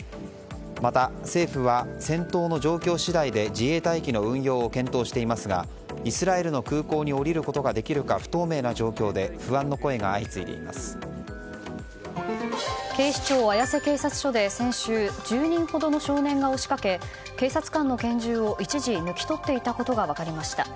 また、政府は戦闘の状況次第で自衛隊機の運用を検討していますがイスラエルに空港に降りることができるか不透明な状況で警視庁綾瀬警察署で先週１０人ほどの少年が押し掛け警察官の拳銃を一時抜き取っていたことが分かりました。